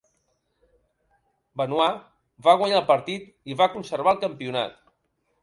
Benoit va guanyar el partit i va conservar el campionat.